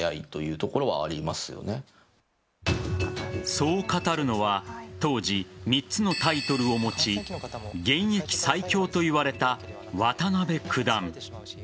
そう語るのは当時、３つのタイトルを持ち現役最強といわれた渡辺九段。